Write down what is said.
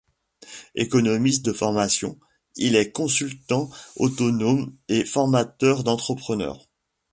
Économiste de formation, il est consultant autonome et formateur d'entrepreneurs.